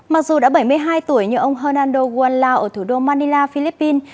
mặc dù đã bảy mươi hai tuổi như ông hernando guanlao ở thủ đô manila philippines